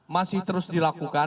masih terus dilakukan